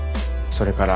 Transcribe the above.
それから。